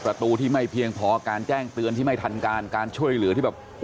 ประตูที่ไม่เพียงพอการแจ้งเตือนที่ไม่ทันการการช่วยเหลือที่แบบ